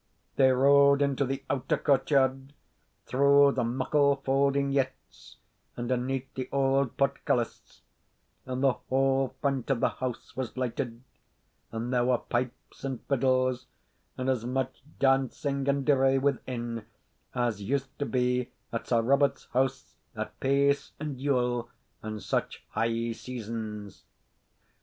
They rode into the outer courtyard, through the muckle faulding yetts, and aneath the auld portcullis; and the whole front of the house was lighted, and there were pipes and fiddles, and as much dancing and deray within as used to be at Sir Robert's house at Pace and Yule, and such high seasons.